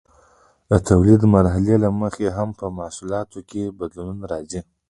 د تولید د مرحلې له مخې هم په محصولاتو کې بدلونونه راځي.